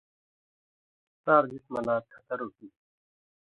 سار جِسمہ لا تھتر اُکی تھی